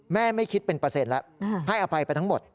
ไม่คิดเป็นเปอร์เซ็นต์แล้วให้อภัยไปทั้งหมด